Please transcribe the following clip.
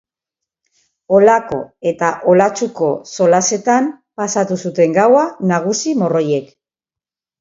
Holako eta holatsuko solasetan pasatu zuten gaua nagusi-morroiek.